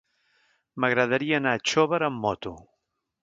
M'agradaria anar a Xóvar amb moto.